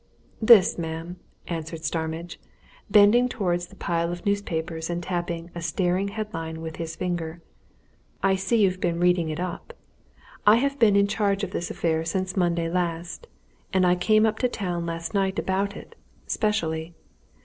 "This, ma'am," answered Starmidge, bending towards the pile of newspapers and tapping a staring head line with his finger. "I see you've been reading it up. I have been in charge of this affair since Monday last, and I came up to town last night about it specially.